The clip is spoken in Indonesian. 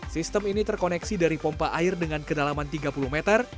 sistem ini terkoneksi dari pompa air dengan kedalaman tiga puluh meter